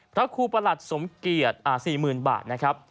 ครับครูประหลาดสมเกียร์สี่หมื่นบาทนะครับ